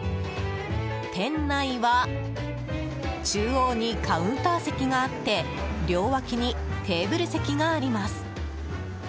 店内は中央にカウンター席があって両脇にテーブル席があります。